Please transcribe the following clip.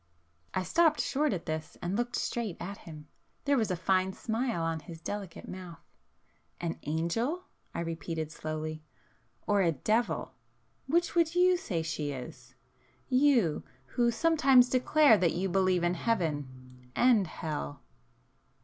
I stopped short at this, and looked straight at him. There was a fine smile on his delicate mouth. "An angel!" I repeated slowly—"or a devil? Which would you say she is?—you, who sometimes declare that you believe in Heaven,—and Hell?"